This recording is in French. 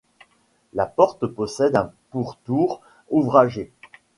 La porte possède un pourtour ouvragé.